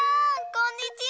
こんにちは。